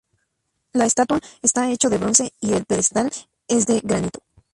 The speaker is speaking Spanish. La estatua está hecho de bronce, y el pedestal es de granito.